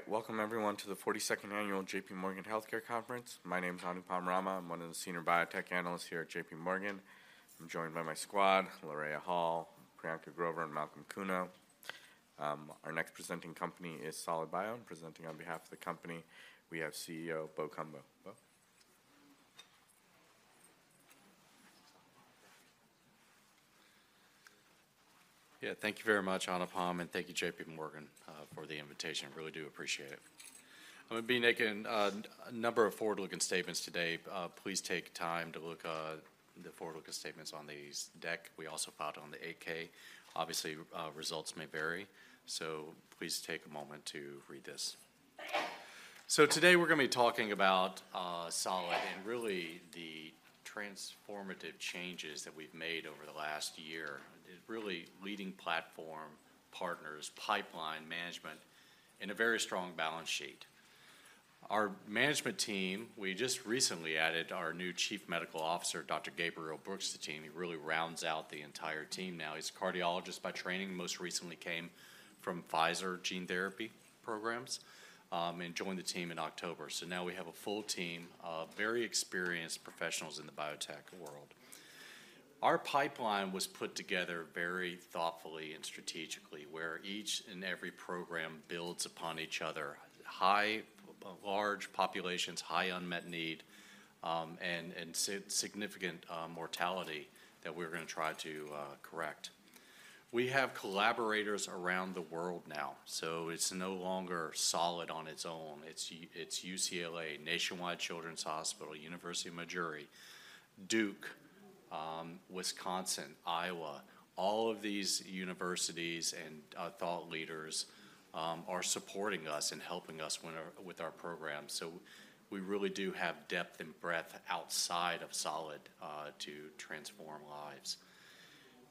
All right, welcome everyone to the 42nd annual J.P. Morgan Healthcare Conference. My name is Anupam Rama. I'm one of the senior biotech analysts here at J.P. Morgan. I'm joined by my squad, Lyra Hall, Priyanka Grover, and Malcolm Kuno. Our next presenting company is Solid Biosciences, and presenting on behalf of the company, we have CEO Bo Cumbo. Bo? Yeah, thank you very much, Anupam, and thank you, J.P. Morgan, for the invitation. I really do appreciate it. I'm gonna be making a number of forward-looking statements today. Please take time to look the forward-looking statements on the deck. We also filed on the 8-K. Obviously, results may vary, so please take a moment to read this. So today, we're gonna be talking about Solid and really the transformative changes that we've made over the last year. It really leading platform, partners, pipeline management, and a very strong balance sheet. Our management team, we just recently added our new Chief Medical Officer, Dr. Gabriel Brooks, to the team. He really rounds out the entire team now. He's a cardiologist by training, most recently came from Pfizer Gene Therapy programs, and joined the team in October. So now we have a full team of very experienced professionals in the biotech world. Our pipeline was put together very thoughtfully and strategically, where each and every program builds upon each other. High large populations, high unmet need, and significant mortality that we're gonna try to correct. We have collaborators around the world now, so it's no longer Solid on its own. It's UCLA, Nationwide Children's Hospital, University of Missouri, Duke, Wisconsin, Iowa. All of these universities and thought leaders are supporting us and helping us with our, with our program. So we really do have depth and breadth outside of Solid to transform lives.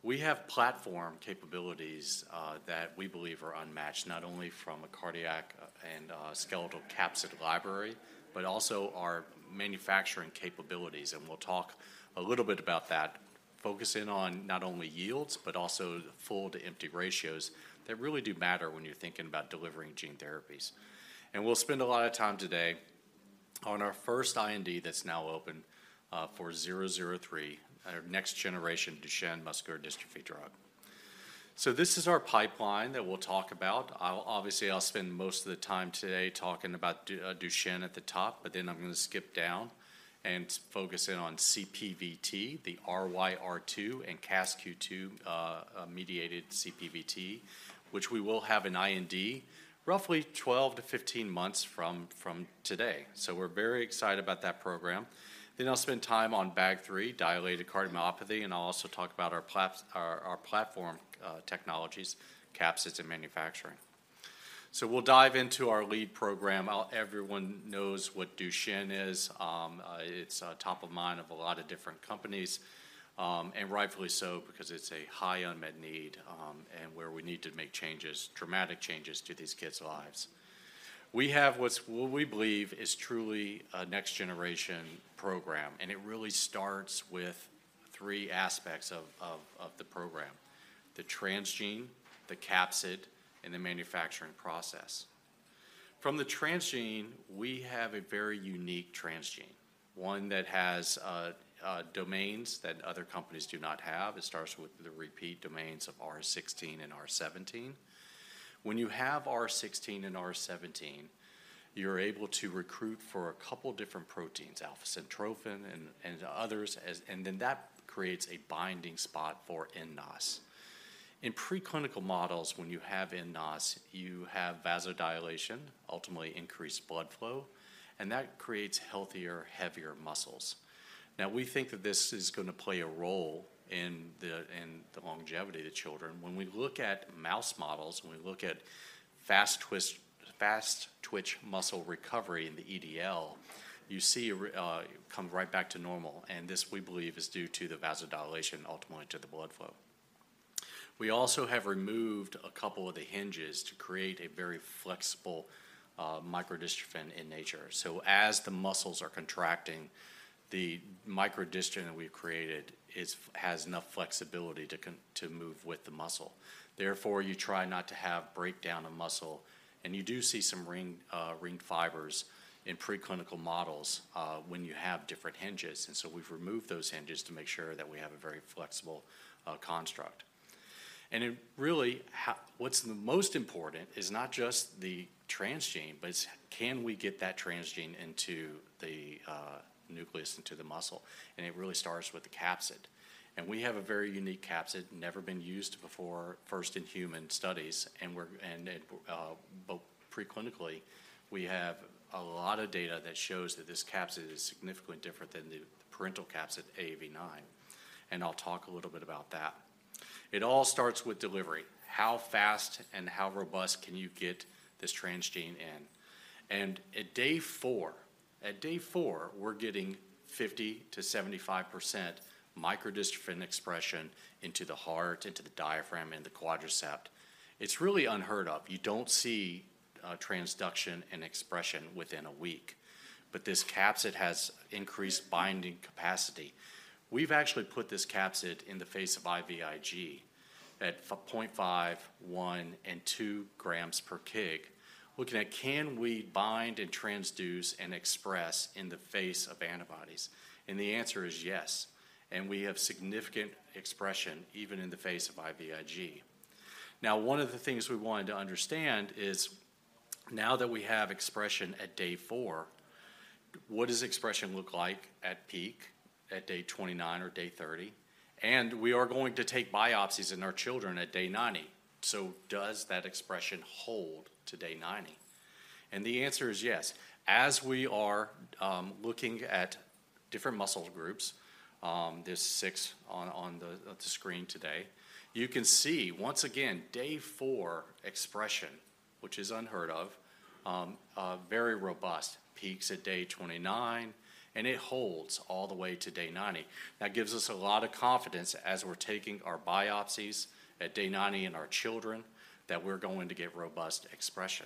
We have platform capabilities that we believe are unmatched, not only from a cardiac and skeletal capsid library, but also our manufacturing capabilities, and we'll talk a little bit about that, focusing on not only yields, but also the full-to-empty ratios that really do matter when you're thinking about delivering gene therapies. We'll spend a lot of time today on our first IND that's now open for 003, our next generation Duchenne muscular dystrophy drug. This is our pipeline that we'll talk about. I'll obviously spend most of the time today talking about Duchenne at the top, but then I'm gonna skip down and focus in on CPVT, the RYR2 and CASQ2 mediated CPVT, which we will have an IND roughly 12-15 months from today. We're very excited about that program. Then I'll spend time on BAG3, dilated cardiomyopathy, and I'll also talk about our platform, technologies, capsids, and manufacturing. So we'll dive into our lead program. Everyone knows what Duchenne is. It's top of mind of a lot of different companies, and rightfully so, because it's a high unmet need, and where we need to make changes, dramatic changes to these kids' lives. We have what we believe is truly a next generation program, and it really starts with three aspects of the program: the transgene, the capsid, and the manufacturing process. From the transgene, we have a very unique transgene, one that has domains that other companies do not have. It starts with the repeat domains of R16 and R17. When you have R16 and R17, you're able to recruit for a couple different proteins, alpha-syntrophin and others, and then that creates a binding spot for nNOS. In preclinical models, when you have nNOS, you have vasodilation, ultimately increased blood flow, and that creates healthier, heavier muscles. Now, we think that this is gonna play a role in the, in the longevity of the children. When we look at mouse models, when we look at fast twitch muscle recovery in the EDL, you see a re, it come right back to normal, and this, we believe, is due to the vasodilation, ultimately to the blood flow. We also have removed a couple of the hinges to create a very flexible, microdystrophin in nature. So as the muscles are contracting, the microdystrophin that we've created has enough flexibility to move with the muscle. Therefore, you try not to have breakdown of muscle, and you do see some ring fibers in preclinical models when you have different hinges, and so we've removed those hinges to make sure that we have a very flexible construct. And it really, what's the most important is not just the transgene, but it's can we get that transgene into the nucleus, into the muscle? And it really starts with the capsid. And we have a very unique capsid, never been used before, first in human studies, but preclinically, we have a lot of data that shows that this capsid is significantly different than the parental capsid, AAV9, and I'll talk a little bit about that. It all starts with delivery. How fast and how robust can you get this transgene in? At day 4, at day 4, we're getting 50%-75% microdystrophin expression into the heart, into the diaphragm, and the quadriceps. It's really unheard of. You don't see transduction and expression within a week, but this capsid has increased binding capacity. We've actually put this capsid in the face of IVIG at 0.5, 1, and 2 grams per kg. Looking at can we bind and transduce and express in the face of antibodies? And the answer is yes, and we have significant expression even in the face of IVIG. Now, one of the things we wanted to understand is, now that we have expression at day 4, what does expression look like at peak, at day 29 or day 30? We are going to take biopsies in our children at day 90. So does that expression hold to day 90? And the answer is yes. As we are looking at different muscle groups, there's 6 on the screen today, you can see once again, day 4 expression, which is unheard of, a very robust peaks at day 29, and it holds all the way to day 90. That gives us a lot of confidence as we're taking our biopsies at day 90 in our children, that we're going to get robust expression.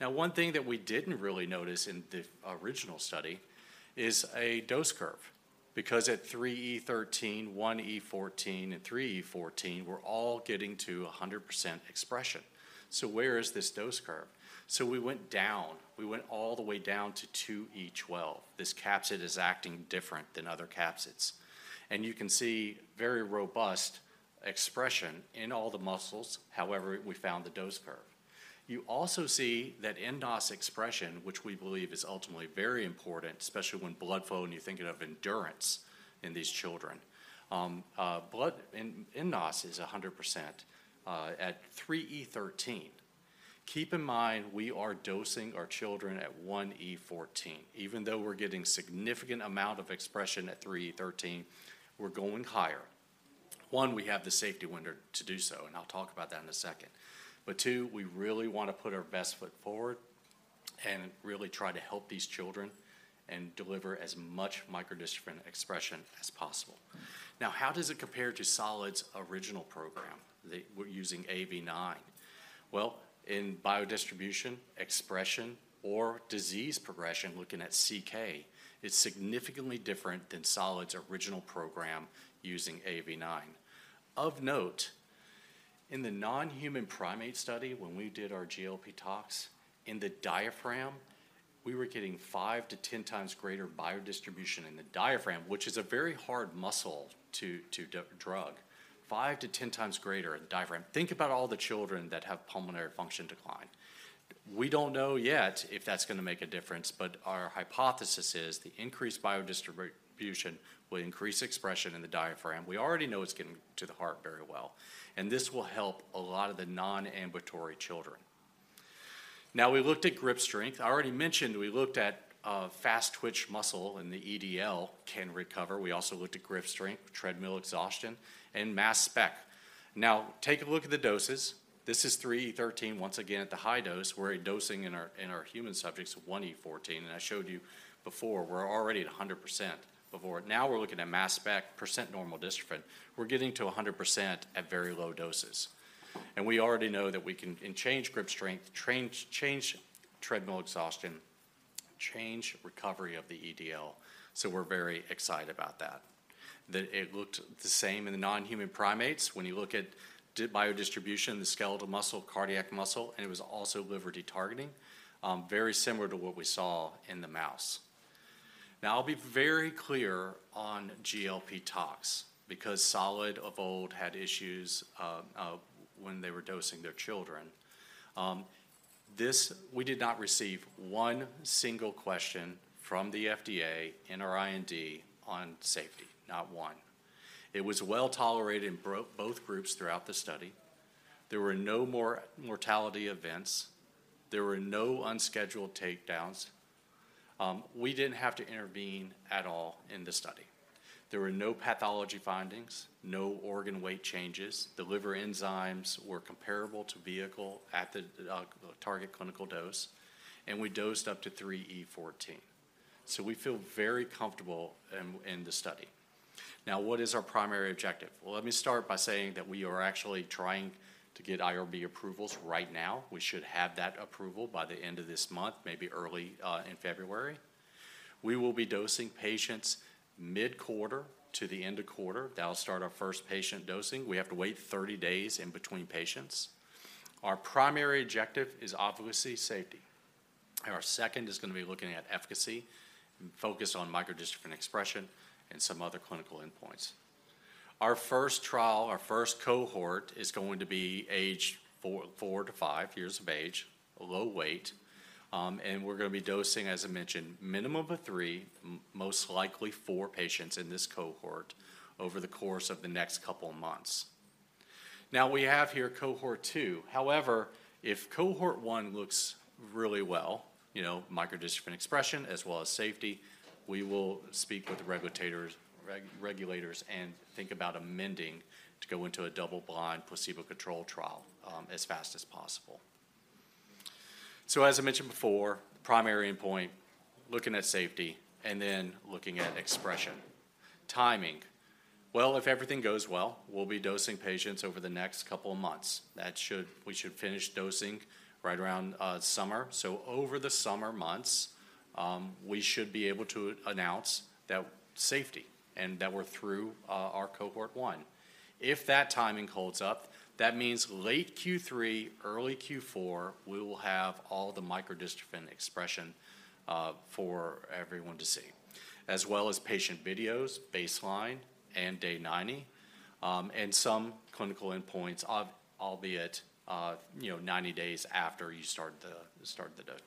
Now, one thing that we didn't really notice in the original study is a dose curve, because at 3E13, 1E14, and 3E14, we're all getting to 100% expression. So where is this dose curve? So we went down. We went all the way down to 2e12. This capsid is acting different than other capsids. You can see very robust expression in all the muscles. However, we found the dose curve. You also see that nNOS expression, which we believe is ultimately very important, especially when blood flow, and you're thinking of endurance in these children. Blood in nNOS is 100% at 3e13. Keep in mind, we are dosing our children at 1e14. Even though we're getting significant amount of expression at 3e13, we're going higher. One, we have the safety window to do so, and I'll talk about that in a second. But two, we really want to put our best foot forward and really try to help these children and deliver as much microdystrophin expression as possible. Now, how does it compare to Solid's original program? We're using AAV9. Well, in biodistribution, expression, or disease progression, looking at CK, it's significantly different than Solid's original program using AAV9. Of note, in the non-human primate study, when we did our GLP tox, in the diaphragm, we were getting five to ten times greater biodistribution in the diaphragm, which is a very hard muscle to drug, five to ten times greater in the diaphragm. Think about all the children that have pulmonary function decline. We don't know yet if that's gonna make a difference, but our hypothesis is the increased biodistribution will increase expression in the diaphragm. We already know it's getting to the heart very well, and this will help a lot of the non-ambulatory children. Now, we looked at grip strength. I already mentioned we looked at fast twitch muscle, and the EDL can recover. We also looked at grip strength, treadmill exhaustion, and mass spec. Now, take a look at the doses. This is 3e13. Once again, at the high dose, we're dosing in our human subjects 1e14, and I showed you before, we're already at 100% before. Now, we're looking at mass spec percent normal dystrophin. We're getting to 100% at very low doses. And we already know that we can change grip strength, change treadmill exhaustion, change recovery of the EDL. So we're very excited about that. It looked the same in the non-human primates. When you look at biodistribution, the skeletal muscle, cardiac muscle, and it was also liver detargeting, very similar to what we saw in the mouse. Now, I'll be very clear on GLP tox, because Solid of old had issues when they were dosing their children. This, we did not receive one single question from the FDA in our IND on safety, not one. It was well tolerated in both groups throughout the study. There were no more mortality events. There were no unscheduled takedowns. We didn't have to intervene at all in the study. There were no pathology findings, no organ weight changes. The liver enzymes were comparable to vehicle at the target clinical dose, and we dosed up to 3 × 10^14. So we feel very comfortable in the study. Now, what is our primary objective? Well, let me start by saying that we are actually trying to get IRB approvals right now. We should have that approval by the end of this month, maybe early in February. We will be dosing patients mid-quarter to the end of quarter. That'll start our first patient dosing. We have to wait 30 days in between patients. Our primary objective is obviously safety. Our second is gonna be looking at efficacy and focus on microdystrophin expression and some other clinical endpoints. Our first trial, our first cohort, is going to be age 4, 4-5 years of age, low weight, and we're gonna be dosing, as I mentioned, minimum of 3, most likely 4 patients in this cohort over the course of the next couple of months. Now, we have here cohort two. However, if cohort one looks really well, you know, microdystrophin expression as well as safety, we will speak with the regulators and think about amending to go into a double-blind, placebo-controlled trial as fast as possible. So as I mentioned before, primary endpoint, looking at safety and then looking at expression. Timing. Well, if everything goes well, we'll be dosing patients over the next couple of months. We should finish dosing right around summer. So over the summer months, we should be able to announce that safety, and that we're through our cohort one. If that timing holds up, that means late Q3, early Q4, we will have all the microdystrophin expression for everyone to see, as well as patient videos, baseline, and day 90, and some clinical endpoints, albeit, you know, 90 days after you start the dose.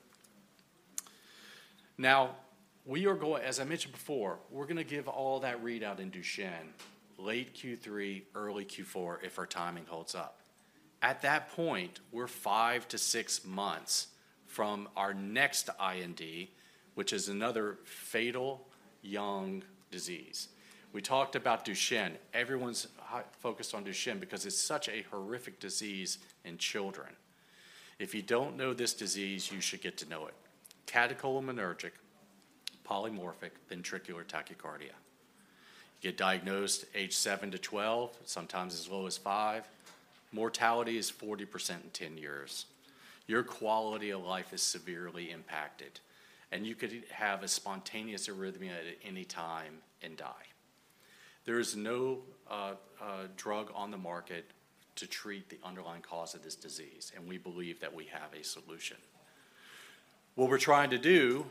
Now, we are going. As I mentioned before, we're gonna give all that readout in Duchenne, late Q3, early Q4, if our timing holds up. At that point, we're 5 to 6 months from our next IND, which is another fatal young disease. We talked about Duchenne. Everyone's focused on Duchenne because it's such a horrific disease in children. If you don't know this disease, you should get to know it. Catecholaminergic polymorphic ventricular tachycardia. You get diagnosed age 7 to 12, sometimes as low as 5. Mortality is 40% in 10 years. Your quality of life is severely impacted, and you could have a spontaneous arrhythmia at any time and die. There is no drug on the market to treat the underlying cause of this disease, and we believe that we have a solution. What we're trying to do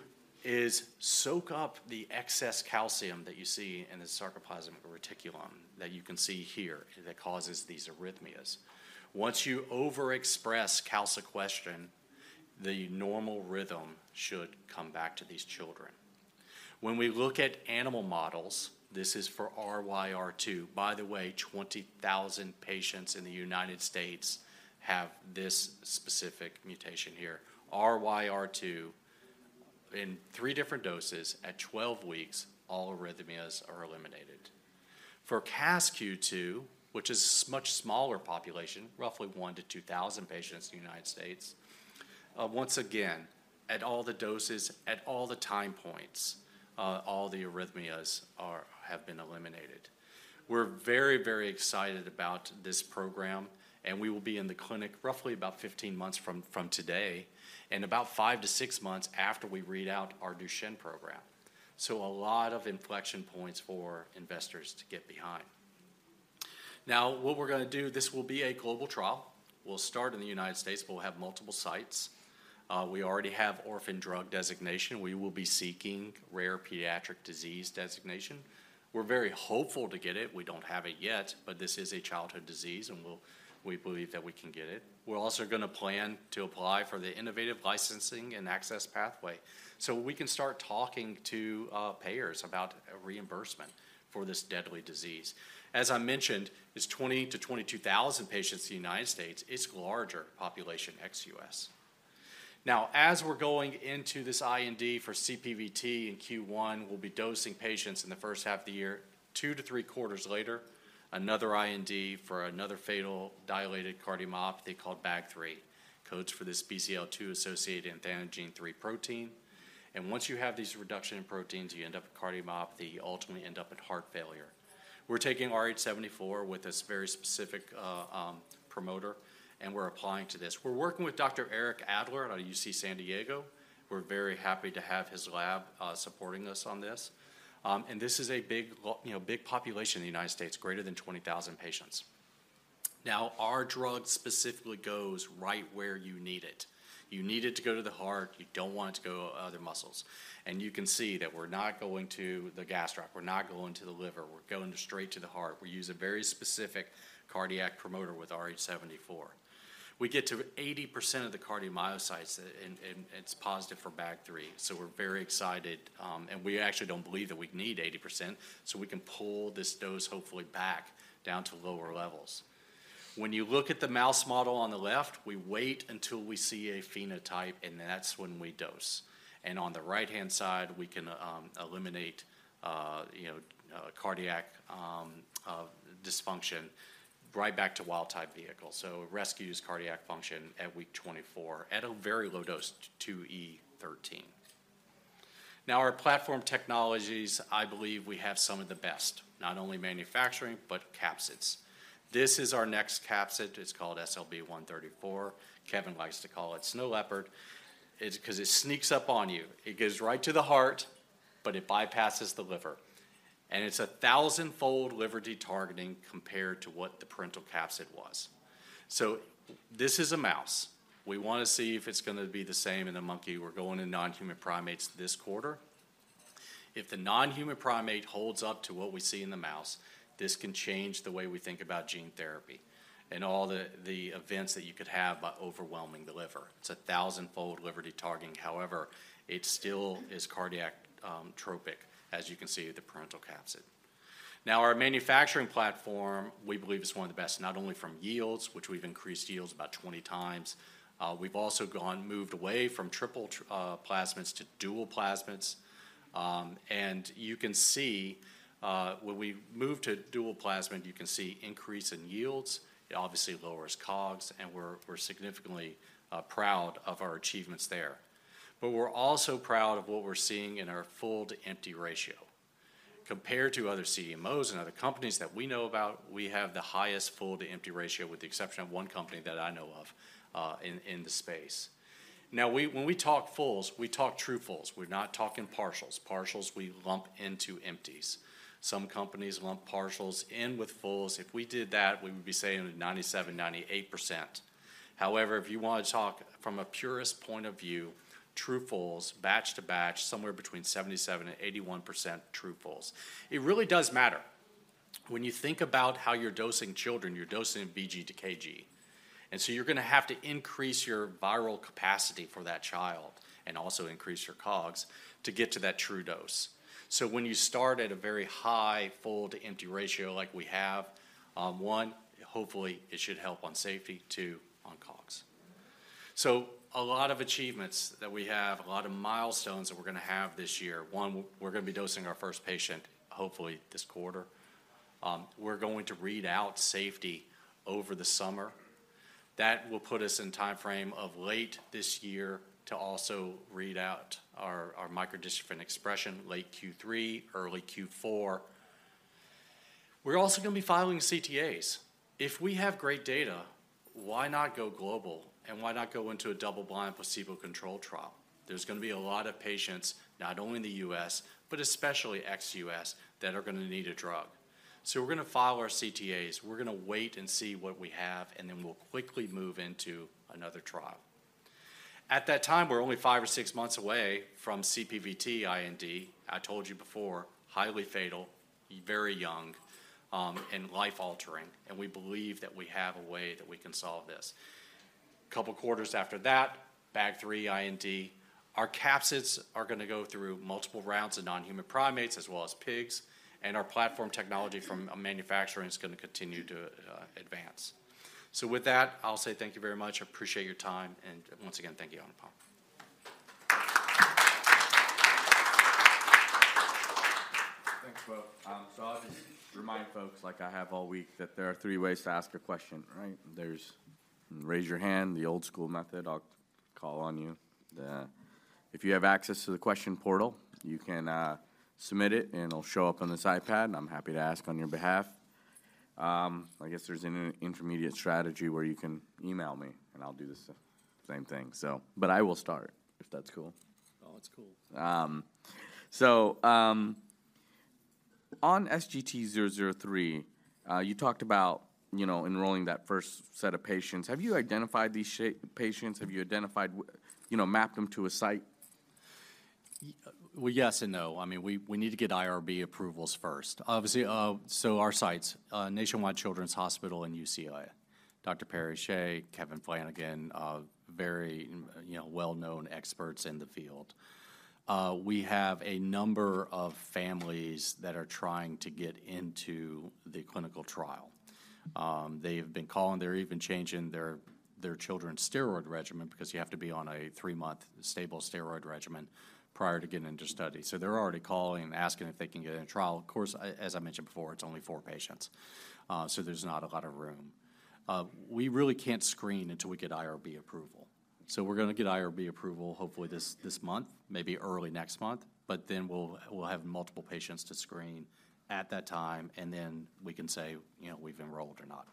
is soak up the excess calcium that you see in the sarcoplasmic reticulum, that you can see here, that causes these arrhythmias. Once you overexpress calsequestrin, the normal rhythm should come back to these children. When we look at animal models, this is for RYR2. By the way, 20,000 patients in the United States have this specific mutation here. RYR2 in three different doses at 12 weeks, all arrhythmias are eliminated. For CASQ2, which is much smaller population, roughly 1-2,000 patients in the United States, once again, at all the doses, at all the time points, all the arrhythmias have been eliminated. We're very, very excited about this program, and we will be in the clinic roughly about 15 months from today, and about 5-6 months after we read out our Duchenne program. So a lot of inflection points for investors to get behind. Now, what we're gonna do, this will be a global trial. We'll start in the United States. We'll have multiple sites. We already have orphan drug designation. We will be seeking rare pediatric disease designation. We're very hopeful to get it. We don't have it yet, but this is a childhood disease, and we believe that we can get it. We're also gonna plan to apply for the Innovative Licensing and Access Pathway, so we can start talking to payers about reimbursement for this deadly disease. As I mentioned, it's 20-22,000 patients in the United States. It's larger population ex-US. Now, as we're going into this IND for CPVT in Q1, we'll be dosing patients in the first half of the year. Two to three quarters later, another IND for another fatal dilated cardiomyopathy called BAG3. Codes for this BCL2-associated athanogene 3 protein. And once you have these reduction in proteins, you end up with cardiomyopathy, you ultimately end up with heart failure. We're taking Rh74 with this very specific promoter, and we're applying to this. We're working with Dr. Eric Adler out of UC San Diego. We're very happy to have his lab supporting us on this. This is a big, you know, big population in the United States, greater than 20,000 patients. Now, our drug specifically goes right where you need it. You need it to go to the heart, you don't want it to go other muscles. And you can see that we're not going to the gastroc, we're not going to the liver, we're going straight to the heart. We use a very specific cardiac promoter with Rh74. We get to 80% of the cardiomyocytes, and it's positive for BAG3, so we're very excited, and we actually don't believe that we need 80%, so we can pull this dose hopefully back down to lower levels. When you look at the mouse model on the left, we wait until we see a phenotype, and that's when we dose. And on the right-hand side, we can eliminate, you know, cardiac dysfunction right back to wild-type vehicle. So it rescues cardiac function at week 24 at a very low dose, 2E13. Now, our platform technologies, I believe we have some of the best, not only manufacturing, but capsids. This is our next capsid. It's called SLB-134. Kevin likes to call it Snow Leopard. It's because it sneaks up on you. It goes right to the heart, but it bypasses the liver, and it's a thousandfold liver detargeting compared to what the parental capsid was. So this is a mouse. We want to see if it's gonna be the same in the monkey. We're going in non-human primates this quarter. If the non-human primate holds up to what we see in the mouse, this can change the way we think about gene therapy and all the events that you could have by overwhelming the liver. It's a thousandfold liver detargeting. However, it still is cardiac tropic, as you can see, the parental capsid. Now, our manufacturing platform, we believe, is one of the best, not only from yields, which we've increased yields about 20 times. We've also moved away from triple plasmids to dual plasmids. And you can see when we moved to dual plasmid, you can see increase in yields. It obviously lowers COGS, and we're significantly proud of our achievements there. But we're also proud of what we're seeing in our full-to-empty ratio. Compared to other CMOs and other companies that we know about, we have the highest full to empty ratio, with the exception of one company that I know of in the space. Now, when we talk fulls, we talk true fulls. We're not talking partials. Partials, we lump into empties. Some companies lump partials in with fulls. If we did that, we would be saying 97%-98%. However, if you want to talk from a purist point of view, true fulls, batch to batch, somewhere between 77%-81% true fulls. It really does matter. When you think about how you're dosing children, you're dosing in vg to kg, and so you're gonna have to increase your viral capacity for that child, and also increase your COGS, to get to that true dose. So when you start at a very high full-to-empty ratio like we have, 1, hopefully, it should help on safety, 2, on COGS. So a lot of achievements that we have, a lot of milestones that we're gonna have this year. 1, we're gonna be dosing our first patient, hopefully this quarter. We're going to read out safety over the summer. That will put us in timeframe of late this year to also read out our, our microdystrophin expression, late Q3, early Q4. We're also gonna be filing CTAs. If we have great data, why not go global, and why not go into a double-blind, placebo-controlled trial? There's gonna be a lot of patients, not only in the U.S., but especially ex-U.S., that are gonna need a drug. So we're gonna file our CTAs. We're gonna wait and see what we have, and then we'll quickly move into another trial. At that time, we're only five or six months away from CPVT IND. I told you before, highly fatal, very young, and life-altering, and we believe that we have a way that we can solve this. Couple quarters after that, BAG3 IND. Our capsids are gonna go through multiple routes of non-human primates as well as pigs, and our platform technology from manufacturing is gonna continue to advance. So with that, I'll say thank you very much. I appreciate your time, and once again, thank you, Anupam. Thanks, folks. So I'll just remind folks, like I have all week, that there are three ways to ask a question, right? There's raise your hand, the old school method, I'll call on you. If you have access to the question portal, you can submit it, and it'll show up on this iPad, and I'm happy to ask on your behalf. I guess there's an intermediate strategy where you can email me, and I'll do the same thing. So. But I will start, if that's cool? Oh, it's cool. So, on SGT-003, you talked about, you know, enrolling that first set of patients. Have you identified these patients? Have you identified, you know, mapped them to a site? Well, yes and no. I mean, we need to get IRB approvals first. Obviously, so our sites, Nationwide Children's Hospital and UCLA, Dr. Perry Shieh, Kevin Flanigan, very, you know, well-known experts in the field. We have a number of families that are trying to get into the clinical trial. They've been calling. They're even changing their children's steroid regimen because you have to be on a 3-month stable steroid regimen prior to getting into study. So they're already calling and asking if they can get in a trial. Of course, as I mentioned before, it's only 4 patients, so there's not a lot of room. We really can't screen until we get IRB approval. We're gonna get IRB approval, hopefully this month, maybe early next month, but then we'll have multiple patients to screen at that time, and then we can say, you know, we've enrolled or not.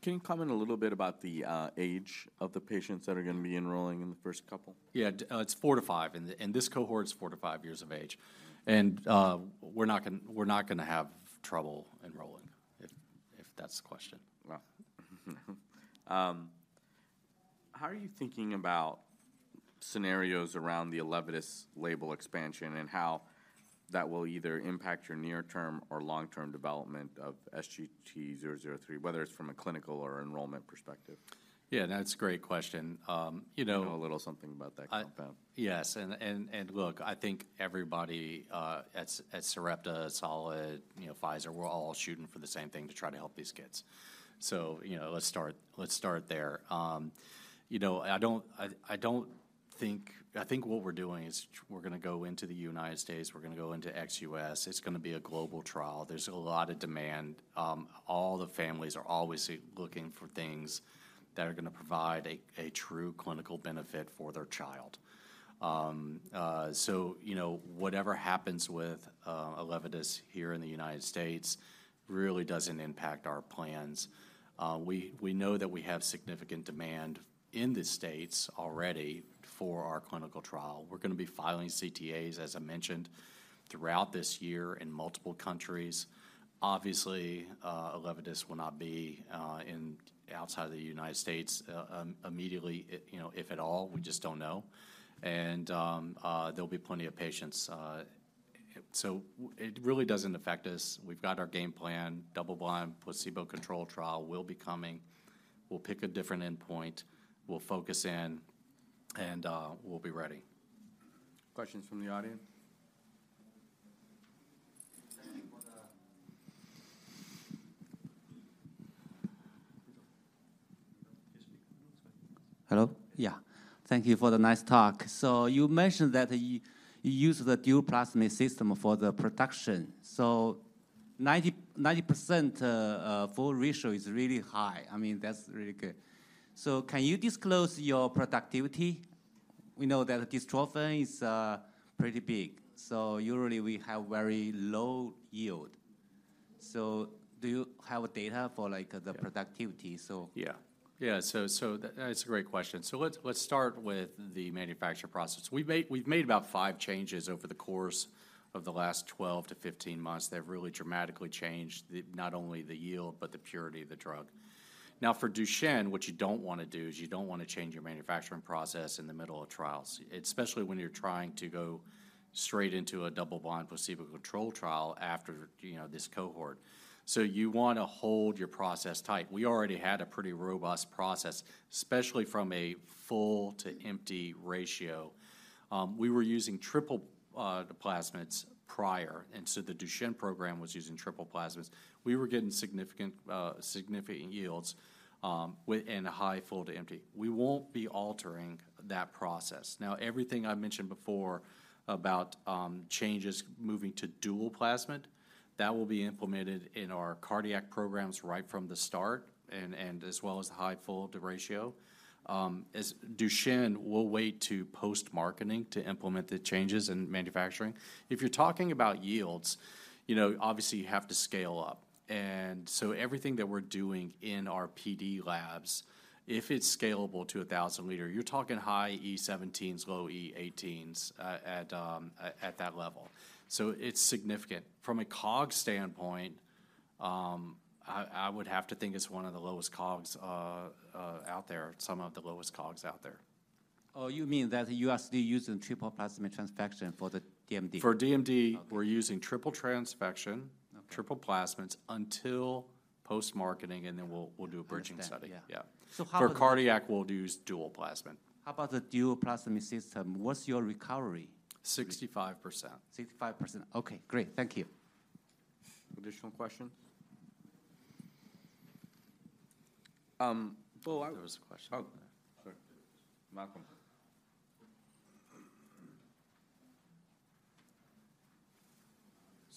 Can you comment a little bit about the age of the patients that are gonna be enrolling in the first couple? Yeah, it's 4-5, and this cohort is 4-5 years of age. And, we're not gonna have trouble enrolling, if that's the question. Well, how are you thinking about scenarios around the Elevidys label expansion and how that will either impact your near-term or long-term development of SGT-003, whether it's from a clinical or enrollment perspective? Yeah, that's a great question. You know- I know a little something about that compound. Yes, and look, I think everybody at Sarepta, Solid, you know, Pfizer, we're all shooting for the same thing, to try to help these kids. So, you know, let's start there. You know, I don't think... I think what we're doing is we're gonna go into the United States, we're gonna go into ex-US. It's gonna be a global trial. There's a lot of demand. All the families are always looking for things that are gonna provide a true clinical benefit for their child. So, you know, whatever happens with Elevidys here in the United States really doesn't impact our plans. We know that we have significant demand in the States already for our clinical trial. We're gonna be filing CTAs, as I mentioned, throughout this year in multiple countries. Obviously, Elevidys will not be in outside of the United States, immediately, you know, if at all. We just don't know. And, there'll be plenty of patients, so it really doesn't affect us. We've got our game plan. Double-blind, placebo-controlled trial will be coming. We'll pick a different endpoint, we'll focus in, and, we'll be ready. Questions from the audience? Thank you for the- Hello? Yeah. Thank you for the nice talk. So you mentioned that you use the dual plasmid system for the production, so 90-90% full ratio is really high. I mean, that's really good. So can you disclose your productivity? We know that dystrophin is pretty big, so usually we have very low yield. So do you have data for, like- the productivity? So- Yeah. Yeah, so that. It's a great question. So let's start with the manufacturing process. We've made about 5 changes over the course of the last 12-15 months that have really dramatically changed not only the yield, but the purity of the drug. Now, for Duchenne, what you don't wanna do is you don't wanna change your manufacturing process in the middle of trials, especially when you're trying to go straight into a double-blind placebo-controlled trial after, you know, this cohort. So you wanna hold your process tight. We already had a pretty robust process, especially from a full-to-empty ratio. We were using triple plasmids prior, and so the Duchenne program was using triple plasmids. We were getting significant yields with and a high full-to-empty. We won't be altering that process. Now, everything I mentioned before about changes moving to dual plasmid, that will be implemented in our cardiac programs right from the start, and as well as the high full-to-empty ratio. As Duchenne will wait to post-marketing to implement the changes in manufacturing. If you're talking about yields, you know, obviously, you have to scale up. So everything that we're doing in our PD labs, if it's scalable to 1,000-liter, you're talking high E17s, low E18s at that level. So it's significant. From a COGS standpoint, I would have to think it's one of the lowest COGS out there, some of the lowest COGSs out there. Oh, you mean that you are still using triple plasmid transfection for the DMD? For DMD- Okay... we're using triple transfection- Okay ... triple plasmids until post-marketing, and then we'll do a bridging study. Understand. Yeah. Yeah. So how- For cardiac, we'll use dual plasmid. How about the dual plasmid system? What's your recovery? Sixty-five percent. 65%. Okay, great. Thank you. Additional questions? Bo, there was a question. Oh, sure. Malcolm.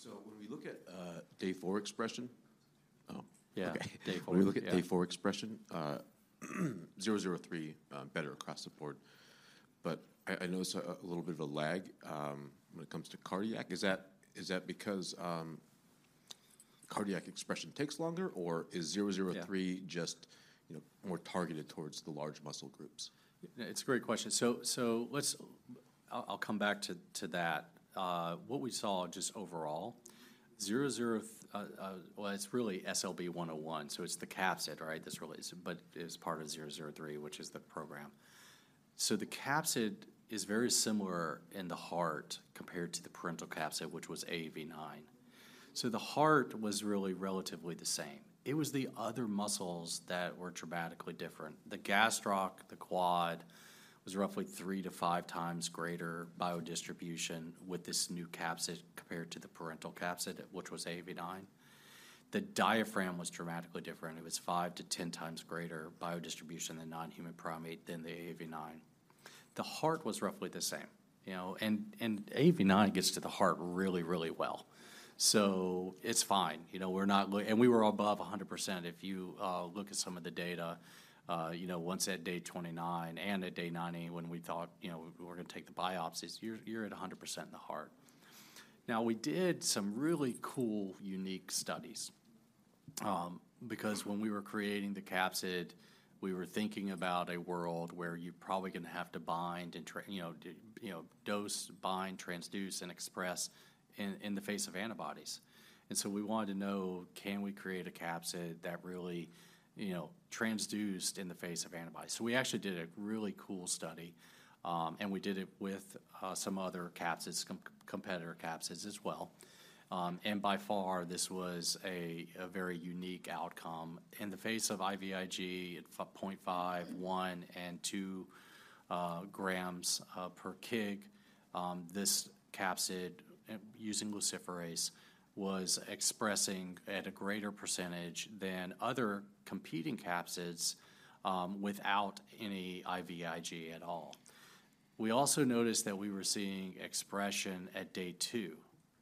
So when we look at day 4 expression... Oh. Okay. Day four, yeah. When we look at day 4 expression, zero zero three, better across the board. But I notice a little bit of a lag when it comes to cardiac. Is that because cardiac expression takes longer, or is zero zero-... three just, you know, more targeted towards the large muscle groups? Yeah, it's a great question. So let's- I'll come back to that. What we saw just overall. Well, it's really SLB-101, so it's the capsid, right? This really is, but it is part of 003, which is the program. So the capsid is very similar in the heart compared to the parental capsid, which was AAV9. So the heart was really relatively the same. It was the other muscles that were dramatically different. The gastroc, the quad, was roughly 3-5 times greater biodistribution with this new capsid compared to the parental capsid, which was AAV9. The diaphragm was dramatically different. It was 5-10 times greater biodistribution than non-human primate than the AAV9. The heart was roughly the same, you know. And AAV9 gets to the heart really, really well. So it's fine. You know, we're not looking. And we were above 100%. If you look at some of the data, you know, once at day 29 and at day 90, when we thought, you know, we were gonna take the biopsies, you're at 100% in the heart. Now, we did some really cool, unique studies, because when we were creating the capsid, we were thinking about a world where you're probably gonna have to dose, bind, transduce, and express in the face of antibodies. And so we wanted to know, can we create a capsid that really, you know, transduced in the face of antibodies? So we actually did a really cool study, and we did it with some other capsids, competitor capsids as well. And by far, this was a very unique outcome. In the face of IVIG at 0.5, 1, and 2 grams per kg, this capsid, using luciferase, was expressing at a greater percentage than other competing capsids without any IVIG at all. We also noticed that we were seeing expression at day 2,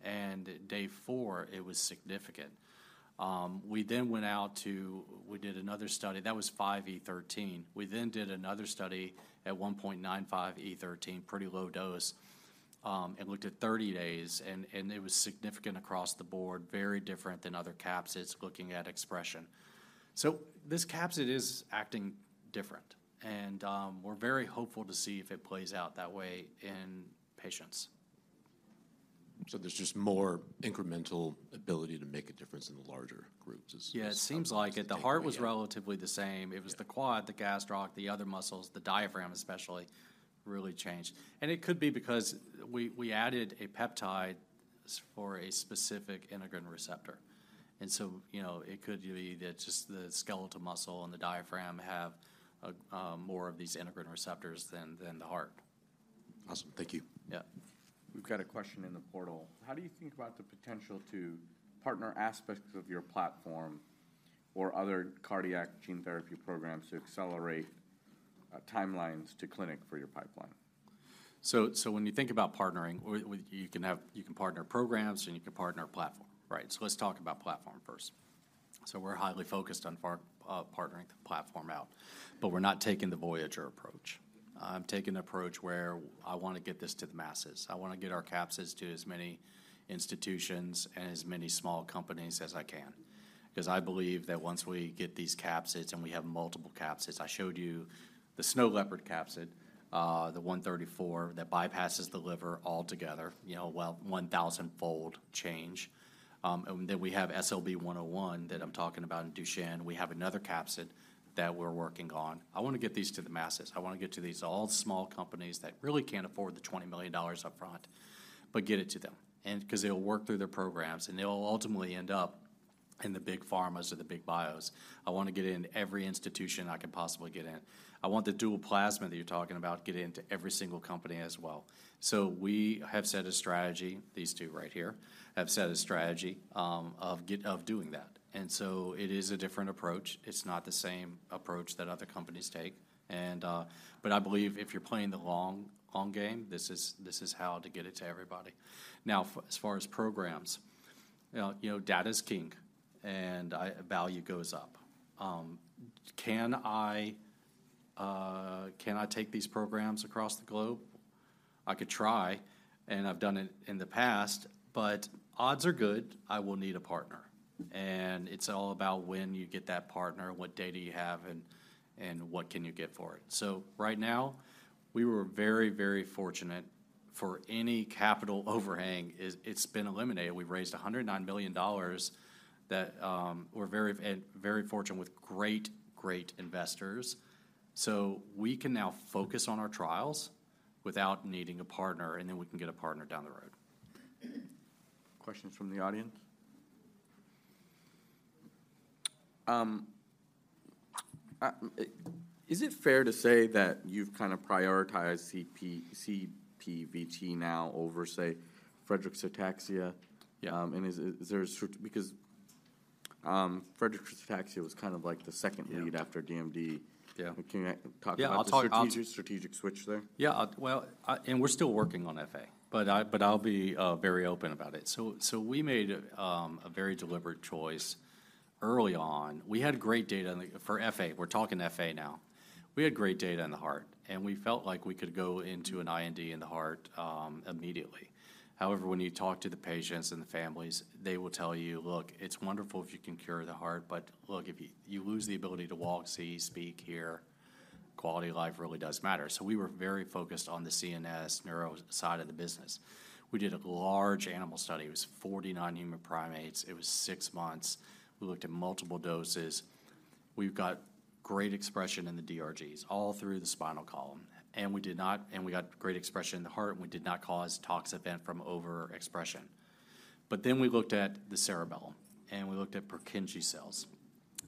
and at day 4, it was significant. We then did another study. That was 5E13. We then did another study at 1.95E13, pretty low dose, and looked at 30 days, and it was significant across the board, very different than other capsids looking at expression. So this capsid is acting different, and we're very hopeful to see if it plays out that way in patients. So there's just more incremental ability to make a difference in the larger groups is- Yeah, it seems like it. The heart was relatively the same. Yeah. It was the quad, the gastroc, the other muscles, the diaphragm especially, really changed. It could be because we added a peptide for a specific integrin receptor. So, you know, it could be that just the skeletal muscle and the diaphragm have more of these integrin receptors than the heart. Awesome. Thank you. We've got a question in the portal: How do you think about the potential to partner aspects of your platform or other cardiac gene therapy programs to accelerate timelines to clinic for your pipeline? So when you think about partnering, you can have, you can partner programs, and you can partner platform, right? So let's talk about platform first. So we're highly focused on partnering the platform out, but we're not taking the Voyager approach. I'm taking the approach where I wanna get this to the masses. I wanna get our capsids to as many institutions and as many small companies as I can. 'Cause I believe that once we get these capsids, and we have multiple capsids. I showed you the snow leopard capsid, the 134, that bypasses the liver altogether, you know, well, 1,000-fold change. And then we have SLB-101 that I'm talking about in Duchenne. We have another capsid that we're working on. I wanna get these to the masses. I wanna get to these all small companies that really can't afford the $20 million upfront, but get it to them. 'Cause they'll work through their programs, and they'll ultimately end up in the big pharmas or the big bios. I wanna get into every institution I can possibly get in. I want the dual plasmid that you're talking about, get into every single company as well. So we have set a strategy, these two right here, have set a strategy, of doing that. And so it is a different approach. It's not the same approach that other companies take. And but I believe if you're playing the long, long game, this is, this is how to get it to everybody. Now, as far as programs, you know, data is king, and I... value goes up. Can I take these programs across the globe? I could try, and I've done it in the past, but odds are good I will need a partner. And it's all about when you get that partner, what data you have, and what can you get for it. So right now, we were very, very fortunate for any capital overhang, it's been eliminated. We've raised $109 million that we're very, and very fortunate with great, great investors. So we can now focus on our trials without needing a partner, and then we can get a partner down the road. Questions from the audience? Is it fair to say that you've kind of prioritized CPVT now over, say, Friedreich's ataxia? And is there a sort—because Friedreich's ataxia was kind of like the second-lead after DMD. Can you talk about- Yeah, I'll talk.... the strategic switch there? Yeah, well, and we're still working on FA, but I, but I'll be very open about it. So we made a very deliberate choice early on. We had great data on the for FA; we're talking FA now. We had great data in the heart, and we felt like we could go into an IND in the heart immediately. However, when you talk to the patients and the families, they will tell you, "Look, it's wonderful if you can cure the heart, but look, if you lose the ability to walk, see, speak, hear, quality of life really does matter." So we were very focused on the CNS neuro side of the business. We did a large animal study. It was 40 non-human primates. It was 6 months. We looked at multiple doses. We've got great expression in the DRGs, all through the spinal column, and we did not, and we got great expression in the heart, and we did not cause tox event from overexpression. But then we looked at the cerebellum, and we looked at Purkinje cells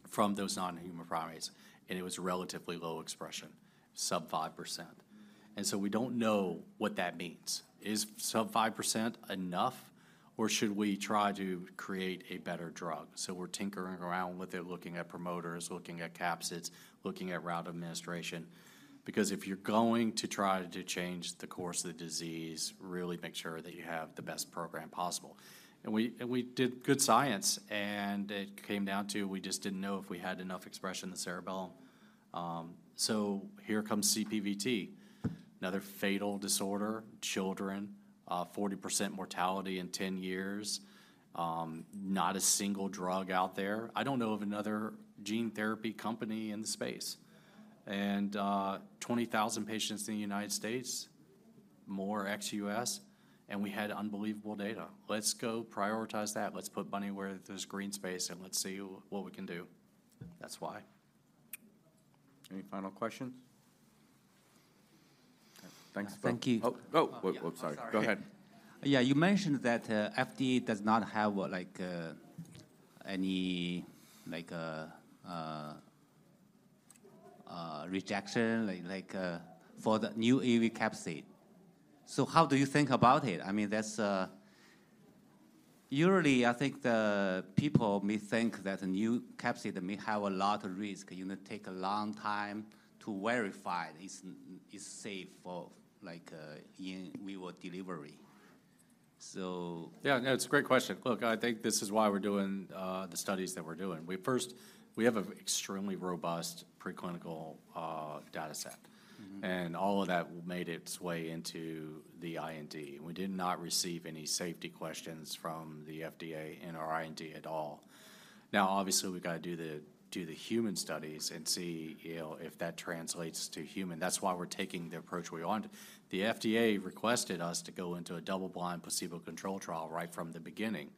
from those non-human primates, and it was relatively low expression, sub 5%. And so we don't know what that means. Is sub 5% enough, or should we try to create a better drug? So we're tinkering around with it, looking at promoters, looking at capsids, looking at route of administration, because if you're going to try to change the course of the disease, really make sure that you have the best program possible. And we, and we did good science, and it came down to we just didn't know if we had enough expression in the cerebellum. So here comes CPVT, another fatal disorder, children, 40% mortality in 10 years, not a single drug out there. I don't know of another gene therapy company in the space. Twenty thousand patients in the United States, more ex-US, and we had unbelievable data. Let's go prioritize that. Let's put money where there's green space, and let's see what we can do. That's why. Any final questions? Okay, thanks, Bo. Thank you. Oh, oh, yeah, whoops, sorry. I'm sorry. Go ahead. Yeah, you mentioned that FDA does not have, like, any, like, rejection, like, for the new AAV capsid. So how do you think about it? I mean, that's... Usually, I think the people may think that a new capsid may have a lot of risk, you know, take a long time to verify it's safe for, like, in viral delivery, so. Yeah, no, it's a great question. Look, I think this is why we're doing the studies that we're doing. We have an extremely robust preclinical data setMm-hmm. And all of that made its way into the IND. We did not receive any safety questions from the FDA in our IND at all. Now, obviously, we've got to do the, do the human studies and see, you know, if that translates to human. That's why we're taking the approach we're on. The FDA requested us to go into a double-blind placebo control trial right from the beginning.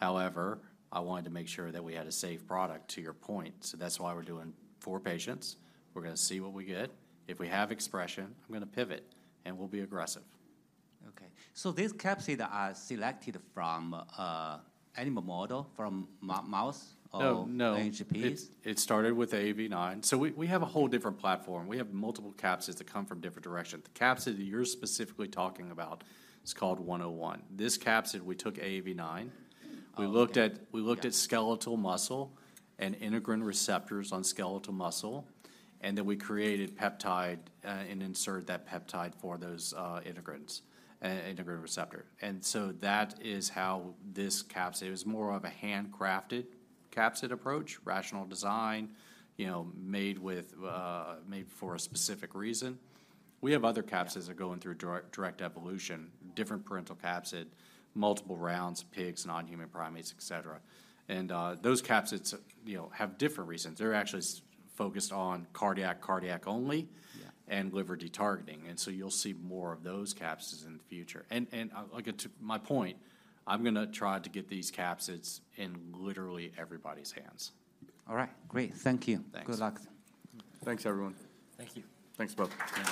However, I wanted to make sure that we had a safe product, to your point, so that's why we're doing four patients. We're gonna see what we get. If we have expression, I'm gonna pivot, and we'll be aggressive. Okay. So these capsids are selected from animal model, from mouse- No, no... or NHPs? It started with AAV9. So we have a whole different platform. We have multiple capsids that come from different directions. The capsid that you're specifically talking about is called 101. This capsid, we took AAV9. Okay. We looked at-... we looked at skeletal muscle and integrin receptors on skeletal muscle, and then we created peptide, and inserted that peptide for those, integrins, integrin receptor. And so that is how this capsid... It was more of a handcrafted capsid approach, rational design, you know, made with, made for a specific reason. We have other capsids that are going through directed evolution, different parental capsid, multiple rounds, pigs, non-human primates, et cetera. And, those capsids, you know, have different reasons. They're actually focused on cardiac, cardiac only-... and liver de-targeting. And so you'll see more of those capsids in the future. And, again, to my point, I'm gonna try to get these capsids in literally everybody's hands. All right. Great. Thank you. Thanks. Good luck. Thanks, everyone. Thank you. Thanks, Bo.